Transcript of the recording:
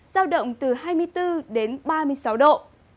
giao động từ hai mươi bốn đến ba mươi sáu độ